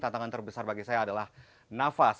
tantangan terbesar bagi saya adalah nafas